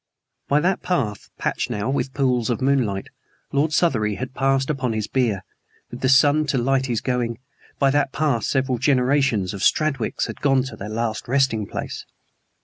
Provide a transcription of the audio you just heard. By that path, patched now with pools of moonlight, Lord Southery had passed upon his bier, with the sun to light his going; by that path several generations of Stradwicks had gone to their last resting place.